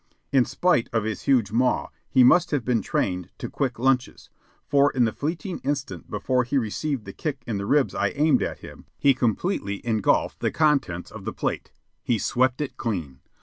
In spite of his huge maw he must have been trained to quick lunches, for, in the fleeting instant before he received the kick in the ribs I aimed at him, he completely engulfed the contents of the plate. He swept it clean.